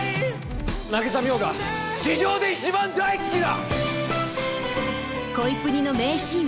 渚海音が地上で一番大好きだ！